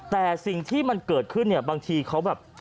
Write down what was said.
แต่สิ่งที่มันเกิดขึ้นเนี่ยบางทีเขาแบบ